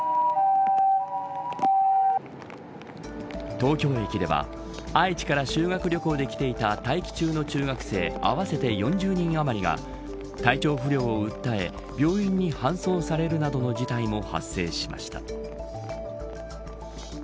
東京駅では愛知から修学旅行で来ていた待機中の中学生合わせて４０人あまりが体調不良を訴え病院に搬送されるなどの事態も発生しました。